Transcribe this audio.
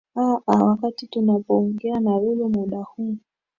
aa wakati tunapoongea na wewe muda huu